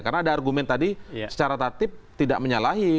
karena ada argumen tadi secara tatip tidak menyalahi